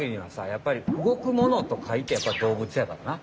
やっぱり動く物とかいてやっぱり動物やからな。